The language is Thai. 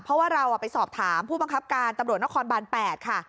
เพราะว่าเราไปสอบถามผู้บังคับการตำรวจนครบาน๘ค่ะ